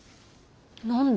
何で。